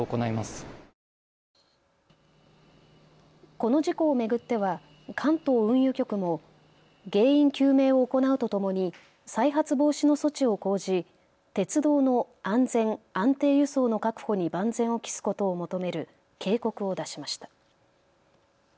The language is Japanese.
この事故を巡っては関東運輸局も原因究明を行うとともに再発防止の措置を講じ鉄道の安全・安定輸送の確保に万全を期すことを求める警告を出しました。